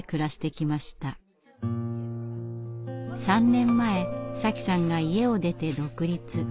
３年前瑳紀さんが家を出て独立。